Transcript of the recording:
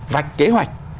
vạch kế hoạch